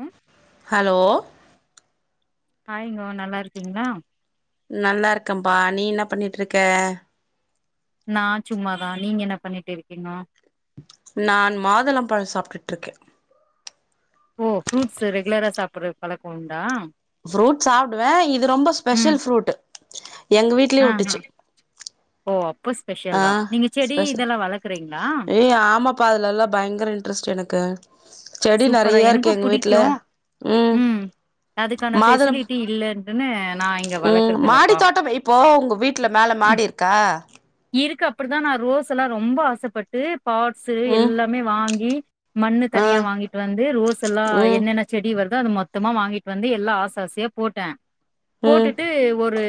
ஆ hello ஹாய்ங்கோ நல்லாருக்கீங்களா நல்லா இருக்கேன்ப்பா நீ இன்ன பண்ணீட்ருக்கே நான் சும்மாதா நீங்க என்ன பண்ணீட்டு இருக்கீங்கோ நான் மாதுளம்பழம் சாப்ட்டுட்ருக்கே ஓ ஃப்ரூட்ஸ்சு ரெகுலரா சாப்புற பழக்கோ உண்டா ஃப்ரூட்ஸ் சாப்டுவே இது ரொம்ப ம் ஸ்பெஷல் ஃப்ரூட்டு எங்க வீட்லயே ஆ ஆ வுட்டுச்சு ஓ அப்போ ஸ்பெஷல் தா நீங்க செடி இதெல்லா வளக்குறீங்களா ஏ ஆமாப் ப்பா அதுலலா பயங்கர இன்ட்ரெஸ்ட் எனக்கு செடி சூப்பரா நெறயா இருக்கு எனக்கு எங்க வீட்ல புடிக்கு ம் அதுக்கான மாதுளம் ஃபெசிலிட்டி இல்லன்ட்டுன்னு நா இங்க ம் வளக்கறது மாடி இல்லப்பா தோட்டம் இப்போ உங்க வீட்ல மேல மாடி இருக் கா இருக்கு அப்டிதா நா ரோஸ் எல்லா ரொம்ப ஆசப்பட்டு பாட்ஸு ம் எல்லாமே வாங்கி மண்ணு ஆ தனியா வாங்கிட்டு வந்து ரோஸ் எல்லா ம் என்னென்ன செடி வருதா அது மொத்தமா வாங்கிட்டு வந்து எல்லா ஆசாசையா போட்டே ம் போட்டுட்டு ஒரு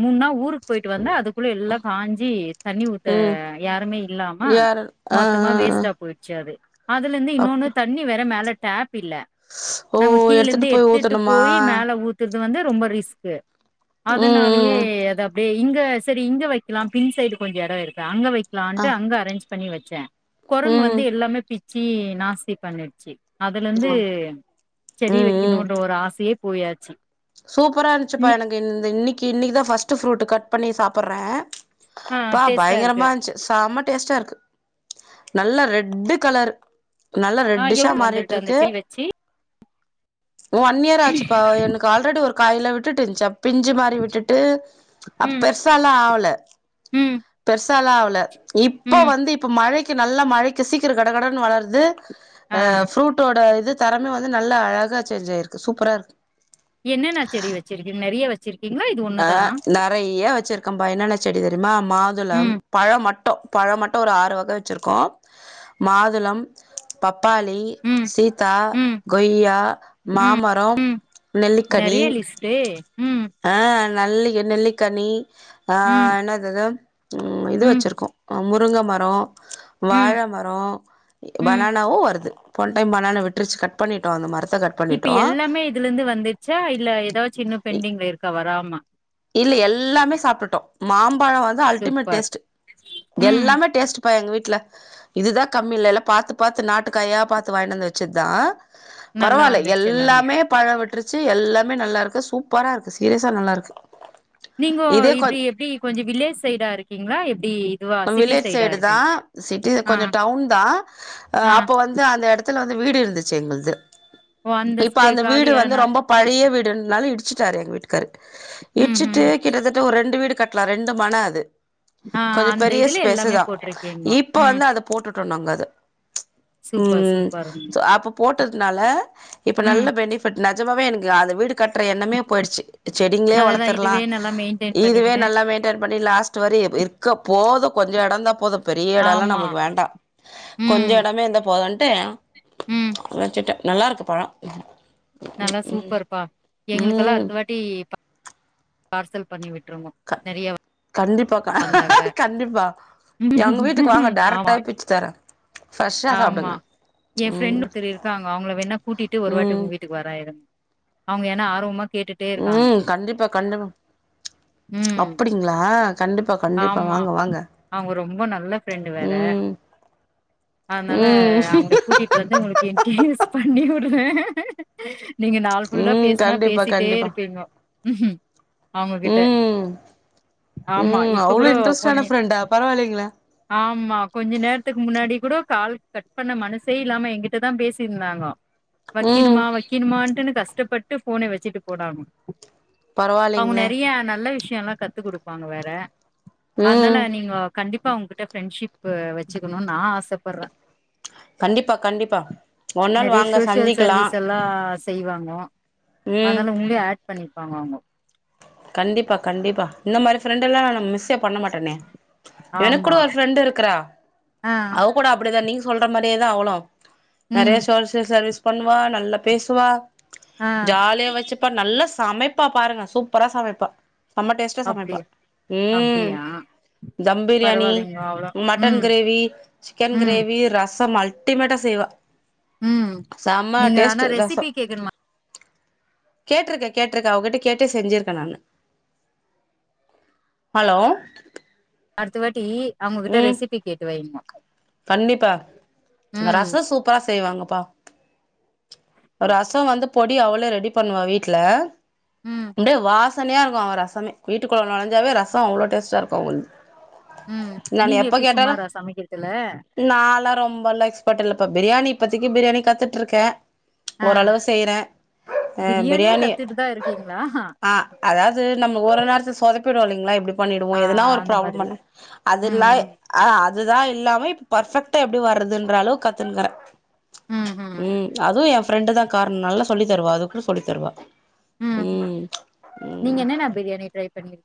மூணு நா ஊருக் கு போயிட்டு வந்தா அதுக்குள்ள எல்லா காஞ்சி தண்ணி ஊத்த ம் யாருமே இல்லாம யாரு ஆ ஆ மொத்தமா ஆ வேஸ்டா போயிடுச்சு அது அதுல இருந்து இன்னொன்னு அப் தண்ணி வேற மேல டேப் இல்ல ஓ நம்ம கீழ இருந்து போய் எடுத்துட்டு ஊத்தணுமா போய் மேல ஊத் துறது வந்து ரொம்ப ரிஸ்க்கு ம் அதனாலேயே ம் அது அப்டியே இங்க சரி இங்க வைக்கலா பின் சைடு கொஞ்ச எட இருக்கு அங்க ஆ வைக்கலாம்ட்டு அங்க அரேஞ்ச் பண்ணி வச்சே கொரங்கு ம் வந்து எல்லாமே பிச்சு நாஸ்தி பண்ணிடுச்சு அதுலருந்து செடி ம் ம் வைக்கணும்ன்ற ஒரு ஆசையே போயாச்சு சூப்பரா இருந்துச்சுப்பா இன்னி எனக்கு இந்த இன்னைக்கு இன்னைக்குதா ஃபஸ்ட்டு ஃப்ரூட் கட் பண்ணி சாப்புறே ஆ ப்பா டேஸ்ட்டா இருக்கு பயங்கரமா இருந்துச்சு செம டேஸ்ட்டா இருக்கு நல்லா ரெட்டு கலரு நல்ல ஆ ரெட்டிஷ்ஸ எவ்ளோ வந்துருது அந்த மாறிட்ருக்கு செடி வச்சு ஒன் இயர் ஆச்சுப்பா எனக் கால்ரெடி ஒரு காயில விட்டுட்டு இருந்துச்சு பிஞ்சு மாரி விட்டுட்டு அ ம் பெருசாலா ஆவல ம் பஸ் பெரிசால ஆவல இப்ப ம் வந்து இப்ப மழைக்கு நல்ல மழைக்கு சீக்கிர கட கடனு வளருது ஆ ஃப்ரூட்டோட இது தரமே வந்து நல்லா அழகா சேஞ்ச் ஆயிருக்கு சூப்பரா இருக்கு என்னென்ன செடி வெச்சிருக்கிங் நெறைய வெச்சிருக்கீங்ளா இது ஒன் ஆ நெறைய வெச்சிருக்கம்பா என்னென்ன செடி தெரியிமா மாதுளம் ம் பழோ மட் டு பழோ மட்டு ஒரு ஆறு வக வெச்சிருக்கோ மாதுளம் பப்பாளி ம் சீத்தா ம் கொய்யா ம் மாமரோ நெல்லிக்கனி டே ம் ஆ நல்ல என் நெல்லிக்கனி ஆ ம் என்னதது ம் இது வெச்சிருக்கோ முருங்க மரோ ம் வாழ மரோ ம் பனானாவு வருது போன் டைம் பனானா விட்ருச்சு கட் பண்ணீடோ அந்த மரத்த கட் இப்ப பண்ணிட்டோ எல்லாமே இதுலிருந்து வந்துருச்சா இல்ல எதாச்சு இன்னு பெண்டிங்ல இருக்கா வராம இல்ல எல்லாமே சாப்ட்டுட்டோ மாம்பழோ வந்து அல்டிமேட் சூப்பர் டேஸ்ட் ம் எல்லாமே டேஸ்ட் ப்ப எங்க வீட்ல இதுதா கம்மி இல்லல் பாத்து பாத்து நாட்டுக்காயா பாத்து வாயிண்டு வந்து வச்சத்தா நல்லா பரவால்ல வந்துருச்சு எல்லாமே பழோ விட்டுருச்சு எல்லாமே நல்லா இருக்கு சூப்பரா இருக்கு சீரிஸா நல்லாருக்கு நீங்கோ இப்ப எப்டி கொஞ்ச வில்லேஜ் சைடா இருக்கீங்ளா எப்டி இதுவா சிட்டி வில்லேஜ் சைடா சைடு தா இருக்கீங் சிட்டில ஆ கொஞ்ச டவுன் தா அ ஆ அப்ப வந் து அந்த எடத்துல வந்து வீடு இருந்துச்சு எங்கள்து ஓ இப்ப ஸ்பே அந்த வீடு காலியான வந்து ரொம்ப பழைய வீடுனால்ல இடிச்சட்டாரு எங்க வீட்டுக்காரு ம் இட்ச்சிட்டு ம் கிட்டத்த ட்ட ஒரு ரெண்டு வீடு கட்டலா ரெண்டு மன அது ஆ கொஞ்ச அந்த பெரிய இதுல ஸ்பேஸு எல்லாமே தா போட்டிருக்கீங்கோ இப்ப ம் வந்து அத போட்டுட்டோ நாங்க அத சூப்பர் ம் சூப்பருங்க அப்ப போட்டதுனால இப்ப ம் நல்ல பெனிஃபிட் நிஜமாவே எனக்கு அத வீடு கட்டுற எண்ணமே போயிடுச்சி செடிங்களே அதுதா வளத்தர்லா இதுவே நல்லா மெயின்டெயின் இதுவே பண்ணிக்கினு நல்லா மெ ய்ன்டன் பண்ணி லாஸ்ட் வரை இப் இருக்க போது கொஞ்ச எடந்தா போது பெரிய எடல்லா ஆமா நம்மளுக்கு வேண்டா கொஞ்ச ம் எடமே இருந்த போதுன்ட்டு ம் அழ்ச்சிட்டே நல்லா இருக்கு பழோ நல்லா சூப்பர்ப்பா எங்களுக்கெல்லா ம் அடுத்தவாட் டி பார்சல் பண்ணி விட்ருனு நெறைய கண்டிப்பா வந்தாக்க கண்டிப்பா எங்க வீட்டுக்கு வாங்க ஆமா டைரெக்ட்டாவே பிச்சு தரே ஃப்ரெஷ்ஷா ஆமா சாப்டுங்க எ ஃப்ரெண்ட்டு ம் ஒருத்தரு இருக்காங்கோ அவுங்கள வேணா கூட்டிட்டு ஒரு வாட்டி ம் உங்க வீட்டுக்கு வரே இருங் அவுங்க ஏனா ஆர்வமா கேட்டுட் ம் கண்டிப்பா கண்டிப்பா ம் அப்டிங்ளா ஆமா அவுங்க ரொம்போ நல்ல ஃப்ரெண்டு வேற ம் அதனால ம் அவுங்கள கூட்டிட்டு வந்து உங்களுக்கு இன்டிடியுஸ் பண்ணி உட்றே நீங்க நாள் ஃபுல்லா ம் பேசினா கண்டிப்பா பேசிட்டே கண்டிப்பா இருப்பீங்கோ அவுங்ககிட்ட ம் ஆமா ம் இப்ப அவ்ளோ கூட இன்ட்ரெஸ்டான கொஞ்ச ஃப்ரெண்டா பரவாயில்லைங்களே ஆமா கொஞ்ச நேரத்துக்கு முன்னாடி கூட கால் கட் பண்ண மனசே இல்லாம எங்கிட்ட தா பேசிட்டுயிருந்தாங்கோ ம் வக்கீனுமா வக்கீனுமான்ட்டுனு கஷ்டப்பட்டு ஃபோன வச்சிட்டு போனாங்கோ அவுங்க பரவாயில்லைங்களே நெறையா நல்ல விஷ்யோ எல்லா கத்து குடுப்பாங்க வேற அதனால ம் நீங்கோ கண்டிப்பா உங்ககிட்ட பிரெண்ட்ஷிப் வெச்சுக்கணு நா ஆசப்பட்றே கண்டிப்பா கண்டிப்பா ஒரு நாள் நெறைய வாங்க சோஷியல் சந்திக்கலா சர்வீஸ் எல்லா செய்வாங்க ம் அதனால உங்ளியு ஆட் பண்ணிப்பாங்க அவுங்கோ கண்டிப்பா கண்டிப்பா இந்த மாரி ஃப்ரெண்ட் எல்லா நம்ம மிஸ் ஸே பண்ண மாட்டனே எனக் கூட ஆமா ஒரு ஃப்ரெண்ட் இருக்குறா ஆ அவக் கூட அப்டிதா நீங்க சொல்ற மாரியே தா அவளு ம் நெறைய சோசியல் சர்வீஸ் பண்ணுவா நல்லா பேசுவா ஆ ஜாலியா வச்சிப்பா நல்லா சமைப்பா பாருங்க சூப்பரா சமைப்பா செம்ம டேஸ்டா அப்டி சமைப்பா ம் அப்டியா தம் பிரியாணி பரவாயில்லைங்க அவ்ளோ மட்டன் ம் கிரேவி சிக்கன் ம் கிரேவி ரசம் அல் டிமேட்டா செய்வா ம் செம்ம நீங்க ஆனா டேஸ்ட்டு ரசோ ரெசிபி கேக்கணுமா கேட்ருக்கே கேட்ருக்கே அவ கிட்ட கேட்டே செஞ்சிர் ப நானு ஹலோ அடுத்த வாட்டி அவுங்ககிட்ட ம் ரெசிபி கேட்டு வெய்ங்கோ கண்டிப்பா ரச சூப்பரா செய்வாங்கப்பா அ ரச வந்து பொடி அவளே ரெடி பண்ணுவா வீட்ல ம் அப்டியே வா தனிய இருக்கு அவ ரசமே வீட்டுக்குள்ள நொழஞ்சாவே ரசோ அவ்ளோ டேஸ்டா இருக்கு அவங்கள்து ம் நீங்க எப்டி சுமாரா சமைக்கிறதுல நாளா ரொம்ப எல்லா எக்ஸ்பட் இல்லப்பா பிரியாணி இப்பத்திக்கு பிரியாணி கத்துட்ருக்கே ஆ ஓரளவு செய்யற அ பிரியாணியே பிரியாணி கத்துட்டு தா இருக்கீங்களா ஆ அதாவது நம்ம ஒரு நேரத்த சொதப்பிடுவோ இல்லீங்ளா எப்டி பண்ணிடுவோ ஆ எதுனா ஒரு அந்த ப்ராப்ளம் மாதிரி பண்ண அதுல்லாய் ம் ஆஹா அதுதா எல்லாமே பர்ஃபெக்டா எப்டி வர்றதுன்றளவுக் கத்துனுக்ற ம் அதுவு எ ஃப்ரெண்டு தா காரண் நல்லா சொல்லி தருவா அது கூட சொல்லி தருவா ம் ம் நீங்க என்னென்ன பிரியாணி ட்ரை பண்ணி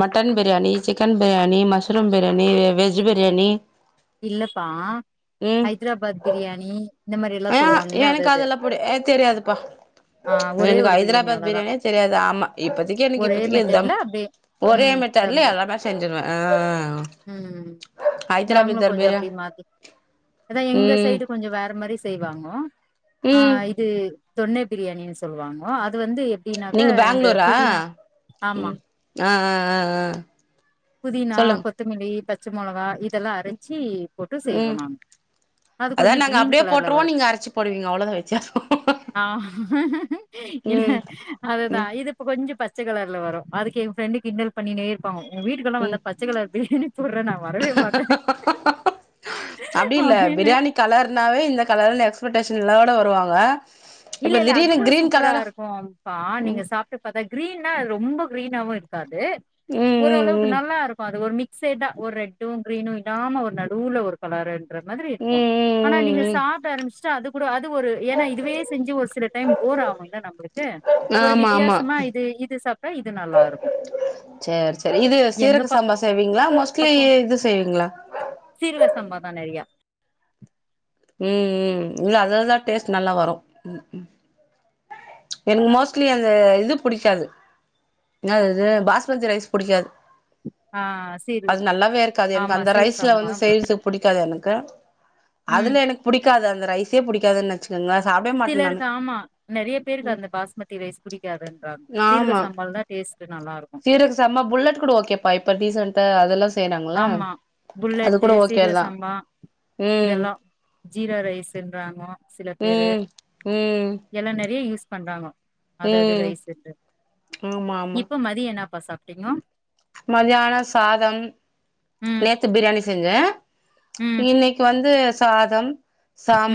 mutton biryani chicken biryani mushroom biryani அ வெஜ் பிரியாணி இல்லப்பா ஹைதராபாத் பிரியாணி இந்த மாரி எல்லா ஏ சொல்லுவாங்கல்ல அது எனக்கு அது அதெல்லா புடி ஏ தெரியாதுப்பா ஆ ஒரே எனக்கு ஒரு பிரியாணி ஹைதராபாத் அவ்ளோதா பிரியாணியே தெரியாது ஆமா இப்பதக்கி எனக்கு ஒரே இப்பதக்கி இ தம் மெத்தட்ல அப்டியே ஒரே ம் தம் மெத்தேட்லேயே பிரி அழகா செஞ்சிருவே ஆ ம் நாங்களு ஹைதராபாத் கொஞ்ச பிரியா அப்டியே மாத்தி அதா எங்க ம் சைடு கொஞ்ச வேற மாரி செய்வாங்கோ ஆ ம் இது தொன்னை பிரியாணின் சொல்வாங்கோ அது வந்து எப்டினாக்கா நீங்க இந்த பேங்ளூரா புதினா ஆமா ம் ஆ ஆ ஆ ஆ புதினா சொல்லுங்க கொத்தமல்லி பச்ச மொளகா இதெல்லா அரச்சி போட்டு செய்வோ ம் நங்க அதா நாங்க அப்டியே போட்ருவோ நீங்க அரச்சி போடுவீங்க அவ்ளோதா வித்யாசோ இல்ல அது தா ம் இது இப்ப கொஞ்ச பச்ச கலர்ல வரு அதுக்கு எ ஃபிரெண்டு கிண்டல் பண்ணினே இருப்பாங்க உங்க வீட்டுக்கெல்லா ம் வந்தா பச்ச கலர் பிரியாணி சொல்ற நா வரவே மாட்டே அப்டி அவ இல்ல என்ன பிரியாணி கலர்னாவே இந்த கலர் எக்ஸ்பெக்டேஷன் எல்லோட வருவாங்க இல்ல இப்ப இல்ல அது திடீர்னு கூட கிரீன் சூப்பரா கலரா இருக்கு பா நீங்க ம் சாப்ட்டு பாத்தா கிரீனா ரொம்ப கிரீனாவு இரு காது ம் ம் ஓரளவுக்கு ம் நல்லா இருக்கு அது ஒரு மி சேட்டா ஒரு ரெட்டு கிரீனு இல்லாம ஒரு நடுவுல ஒரு கலருன்ற மாதிரி இருக்கு ம் ஆனா ம் நீங்க ம் ம் சாப்ட ஆரம்பிச்டா அது கூட அது ஒரு ஏனா இதுவே செஞ்சி ஒரு சில டைம் போர் ஆகுல்ல நம்புளுக்கு ஒரு ஆமா ஆமா வித்யாசமா இது இது சாப்ட்டா இது நல்லாருக்கு சேர் சே இது சீரக சம்பா செய்வீங்ளா மோஸ்ட்லி பக்கோ இது செய்வீங்ளா சீரக சம்பா தா நற்யா ம் ம் இல்ல அதுல தா டேஸ்ட்டு நல்லா வரு ம் ம் எனக்கு மோஸ்ட்லி அந்த இது புடிக்காது என்னாதது பாஸ்மதி ரைஸ் புடிக்காது ஆ சீரு அது நல்லாவே இருக்காது எனக்கு ஆமா அந்த சீர் ரைஸ்ல சம்பா வந்து சைஸு புடிக்காது எனக்கு ம் அதுல எனக்கு புடிக்காது அந்த ரைஸே புடிக்காதுன் வச்சுக்கங்களே சாப்டேம் சிலருக்கு ஆமா நெறய பேருக்கு அந்த பாஸ்மதி ரைஸ் புடிக்காதுன்றாங்க சீரக சம்பால தா டேஸ்ட்டு நல்லாருக்கு சம்ம புல்லெட்டு கூட ஓகேப்பா இப்ப டிசென்டா அதெல்லா செய்றாங்கள ஆமா அது புல்லட்டு கூட சீரக ஓகேதா ம் சீரா ரைஸ்ஸுன்றாங்கோ சில பேரு ம் ம் எல்லா நறைய யூஸ் பண்றாங்கோ அதது ம் ரைஸ்ஸுன்டு ஆமா ஆமா இப்ப மதிய என்னபா சாப்டீங்கோ மதியான சாதம் ம் நேத்து பிரியாணி செஞ்சே ம் இன்னக்கி வந்து சாதம்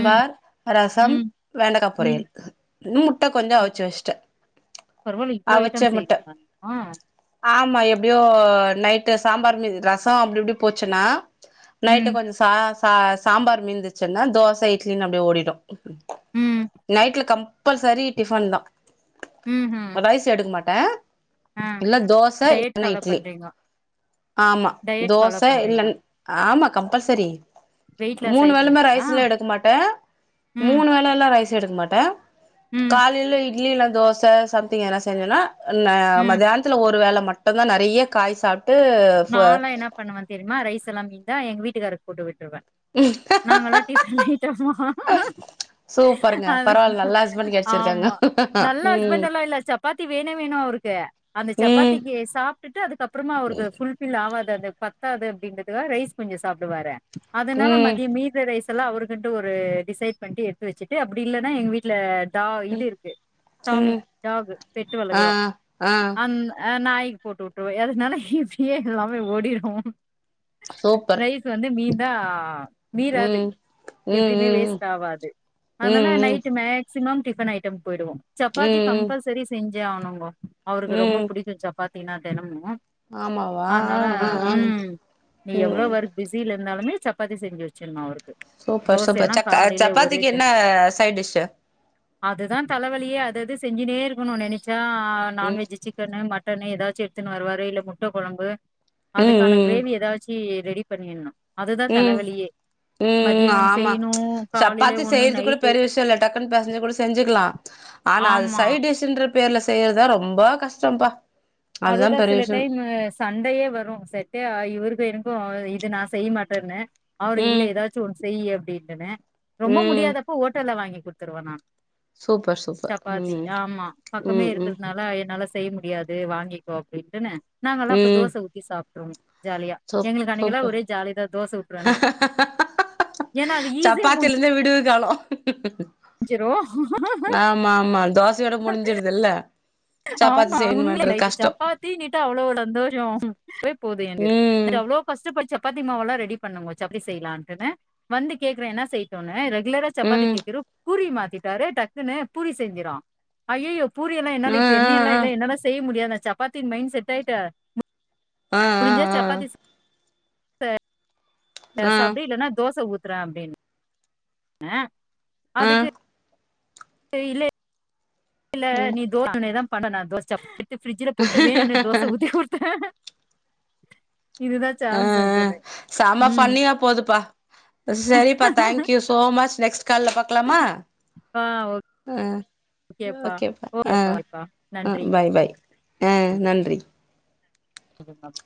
ம் ரசம் ம் வெண்டக்கா ம் பொரியல் இன்னு முட்ட கொஞ்சொ அவுச்சு வச்ட்டே பரவால்ல இவ்ளோ ஐட்டம் செய்வீங்ளா மா ஆமா எப்டியோ நைட்டு சாம்பார் மீ ரசோ அப்டி இப்டி போச்சுன்னா நைட்டு ம் கொஞ்சொ சா சா சாம்பார் மீந்துச்சுன்னா தோச இட்லின் அப்டியே ஓடிடு ம் நைட்ல கம்பல்சரி டிஃபன் தா ம்ஹும் ரைஸ்ஸு எடுக்க மாட்டே ஆ இல்ல தோச டயட் இல்லனா ஃபாலோ இட்லி பண்றீங்க ஆமா டயட் ஃபாலோ தோச பண்றீங்க இல்லன் ஆமா கம்பல்சரி வெயிட் லாஸ் மூனு வேலமே ஆயிட்டுக்கிறீங்களா ரைஸ்ல எடுக்க மாட்டே ம் மூனு வேலல்லா ரைஸ் எடுக்க மாட்டே ம் காலேல இட்லி இல்ல தோச சம்திங் எதனா செஞ்சேனா நா ம் மதியானத்துல ஒரு வேள மட்டுந்தா நறைய காய் சாப் நாலா என்ன பண்ணுவே தெரிமா ரைஸ் எல்லா மீந்தா எங்க வீட்டுக்கார்க்கு போட்டுவிட்ருவே நாங்கல்லா டிஃபன் நைட்டம்மா சூப்பருங்க அது பரவால்ல நல்ல ஹஸ்பண்ட் கெடச்சிருக்காங்க ஆமா நல்ல ம் ஹஸ்பண்ட்டெல்லா இல்ல சப்பாத்தி வேணே வேணு அவ்ருக்கு அந்த ம் சப்பாத்திக்கி சாப்டுட்டு அதுக்கப்றமா அவ்ருக்கு ஃபுல் ஃபில் ஆவாது அது பத்தாது அப்டின்றதுக்கா ரைஸ் கொஞ்சோ சாப்டுவாரு அதனால ம் மதிய மீத ரைஸ் ஸெல்லா அவருக்குன்ட்டு ஒரு டிசைட் பண்ட்டு எத்து வச்சுட்டு அப்டி இல்லன்னா எங் வீட்ல டா இது இருக்கு டாமி ம் டாக்கு பெட்டு ஆ வளக்குறோ ஆ அந்த ஆ நாய்க்கு போட்டு வுட்டுவே அதுனால இப்டியே எல்லாமே ஓடிரு சூப்பர் ரைஸ் வந்து மீந்தா மீறாது ம் ம் எப்பிடிமே ம் ம் வேஸ்ட் ஆவாது அதனால ம் ம் night maximum tiffin item போய்டுவோ சப்பாத்தி ம் கம்பல்சரி செஞ்சே ஆவ்னுங்கோ அவுருக்கு ரொம்ப புடிக்கு சப் பாத்தீங்ன்னா தெனமு மாமா வா ஆனால ம் நீ எவ்ளோ ம் ஒர்க் பிஸிலந்தாலுமே சப்பாத்தி செஞ்சு வச்சுர்னு அவ்ருக்கு சூப்பர் சூப்பர் சக்க சப்பாத்திக்கு என்ன சைட்டிஷ்ஷு அதுதா தலவலியே அதது செஞ்சுனே இருக்கணு நெனச்சா ம் நான்வெஜ்ஜு சி க்கனு மட்டனு எதாச்சு எட்த்துன்னு வருவாரு இல்ல முட்ட கொழம்பு அதுக்கான ம் ம் கிரேவி எதாச்சி ரெடி பண்ணிர்னுஅதுதா ம் தலவலியே ம் மதிய ஒன்னு ஆமா செய்யணு காலையில சப்பாத்தி ஒன்னு செய்றது கூட நைட்டு பெரிய விஷ்யோ இல்ல டக்குன்னு பெசஞ்சு கூட செஞ்சுக்லா ஆனா அது ஆமா சைடிஷுன்ற பேர்ல செய்யற்தா ரொம்பா கஷ்டம்பா அதுதா சில டைமூஸ் சண்டையே வரும் செட்டே ஆ இவருக்கு எனுக்கு இது நான் செய்யுமாட்டேனு அவரு இல்ல ம் எதா ச்சு ஒன் செய்யி அப்டின்டுனு ரொம்பா ம் முடியாதப்போ ஹோட்டல வாங்கி குட்த்துருவ நா சூப்பர் சூப்பர் சப்பாத்தி ம் ஆமா பக்கமே ம் ம் இருக்குறதுனால என்னால செய்ய முடியாது வாங் கிகோ அப்டின்டுனு நாங்கலா அப்ப ம் தோச ஊதி சாப் ட்ரு ஜாலியா சூப் எங்களுக்கு அன்னைகுலா சூப்பர் ஒரே ஜாலிதா தோச ஊத்ற அன்னைக் ஏனா அது ஈ சப்பாத்தில இருந்தே விடுவு காலோ சுறு ஆமா ஆமா தோசையோட முடிஞ்சிடுதுல்ல சப்பாத்தி ஆமா உண்மேல செய்யணுமன்றது இன்னிக்கி கஷ்டோ சப்பாத்தினீட்டா அவுளோ சந்தோஷோ அதுவே போது என்க்கு ம் இது அவ்ளோ ஃபஸ்ட்டு போய் சப்பாத்தி மாவலா ரெடி பண்ணுங்கோ சப்டி செய்யலான்ட்டுனு வந்து கேக்குறே என செய்ட்டூணு ரெக் குலரா சப்பாத்தி ம் கேக்குற பூரி மாத்திட்டாரு டக்குனு பூரி செஞ்சிறா ஐயயோ பூரியல்லா என்னால ஆ இப்ப எண்ணியல்லா ஆ இல்ல என்னால செய்ய முடியாது நா சப்பாத்தின் மைண் செட் ஆய்ட்ட ஆ முடிஞ்சா ஆ சப்பாத்திஸ் அல ஆ ஆ சாப்டு ஆ இல்லனா தோச ஊத்துற அப்டின் ன ஆ அதுக்கு இல்ல இல்ல ம் நீ தோசநேதா பண்ணுண தோஸ்சாப்பு எட்த்து பிரிஜுல போட்டு வேணுனே தோஸ் த ஊத்தி குட்த்தே அ அ சம ம் ஃபண்ணியா போதுப்பா ப்ப சரிப்பா தேங்க்யூ சோமச் நெக்ஸ்ட்டு கால்ல பாக்லாமா ஆ அ ஓகேப்பா ஆ அ பாய் பாய் அ நன்றி இது மேம்